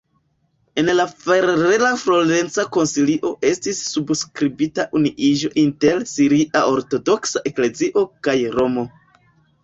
En la ferrara-florenca koncilio estis subskribita unuiĝo inter siria ortodoksa eklezio kaj Romo.